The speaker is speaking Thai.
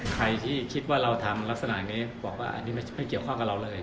ใครที่คิดว่าเราทำลักษณะนี้บอกว่าอันนี้ไม่เกี่ยวข้องกับเราเลย